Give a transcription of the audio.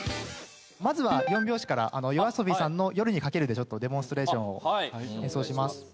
まずは４拍子からＹＯＡＳＯＢＩさんの『夜に駆ける』でデモンストレーションを演奏します。